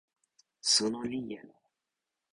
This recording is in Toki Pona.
suno li jelo.